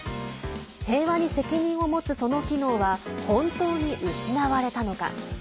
平和に責任を持つ、その機能は本当に失われたのか。